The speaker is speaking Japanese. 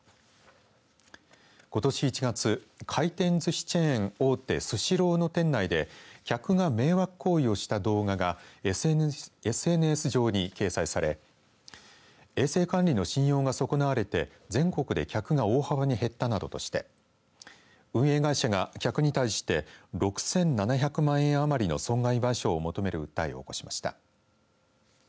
ことし１月回転ずしチェーン大手スシローの店内で客が迷惑行為をした動画がＳＮＳ上に掲載され衛生管理の信用が損なわれて全国で客が大幅に減ったなどとして運営会社が、客に対して６７００万円余りの損害賠償を求める訴えを起こしました。